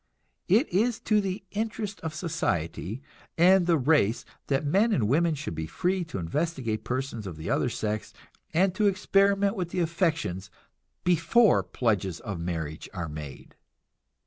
It is to the interest of society and the race that men and women should be free to investigate persons of the other sex, and to experiment with the affections before pledges of marriage are made.